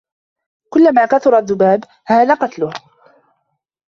كلما كثر الذباب هان قتله